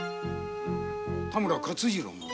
田村勝次郎ので？